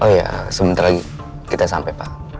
oh ya sebentar lagi kita sampai pak